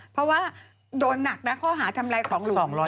เพราะว่าโดนหนักที่เขาหาทำไรของหลุม